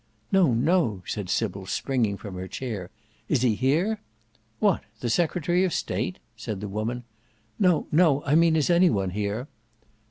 "No, no," said Sybil springing from her chair. "Is he here?" "What the Secretary of State!" said the woman. "No, no! I mean is any one here?"